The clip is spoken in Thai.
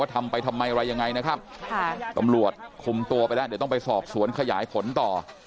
ทำไปทำไมอะไรยังไงนะครับค่ะตำรวจคุมตัวไปแล้วเดี๋ยวต้องไปสอบสวนขยายผลต่อ